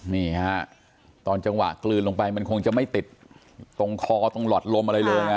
นี่ฮะตอนจังหวะกลืนลงไปมันคงจะไม่ติดตรงคอตรงหลอดลมอะไรเลยนะ